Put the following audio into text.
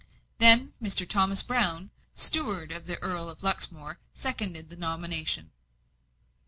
Then, Mr. Thomas Brown, steward of the Earl of Luxmore, seconded the nomination.